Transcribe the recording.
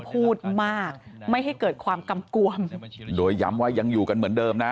พูดมากไม่ให้เกิดความกำกวมโดยย้ำว่ายังอยู่กันเหมือนเดิมนะ